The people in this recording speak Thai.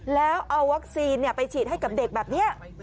แล้วเอาวัคซีนไปฉีดให้กับเด็กแบบนี้